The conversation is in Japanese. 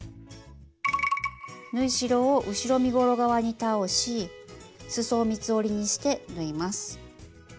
縫い代を後ろ身ごろ側に倒しすそを三つ折りにして縫います。